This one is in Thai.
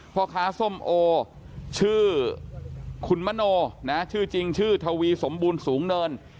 พ่อค้าส้มโอชื่อคุณมโนนะชื่อจริงชื่อทวีสมบูรณ์สูงเนิน